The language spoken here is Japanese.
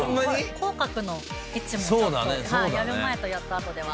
口角の位置もちょっとやる前とやったあとでは。